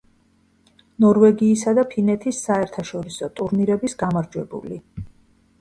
ნორვეგიისა და ფინეთის საერთაშორისო ტურნირების გამარჯვებული.